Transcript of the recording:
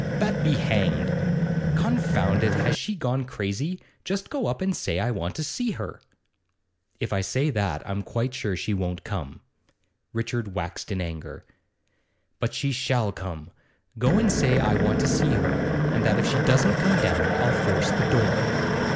'That be hanged! Confound it, has she gone crazy? Just go up and say I want to see her.' 'If I say that, I'm quite sure she won't come.' Richard waxed in anger. 'But she shall come! Go and say I want to see her, and that if she doesn't come down I'll force the door.